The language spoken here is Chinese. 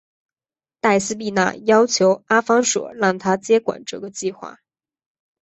黛丝碧娜要求阿方索让她接管这个计画。